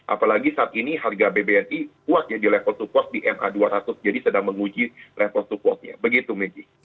apalagi saat ini harga bbni kuat ya di level support di ma dua ratus jadi sedang menguji level supportnya begitu megi